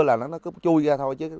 là nó cứ chui ra thôi